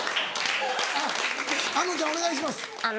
あのちゃんお願いします。